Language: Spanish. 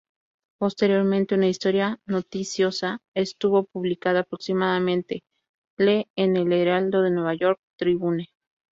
Posteriormente, una historia noticiosa estuvo publicada aproximadamente le en el "Heraldo de Nueva York-Tribune.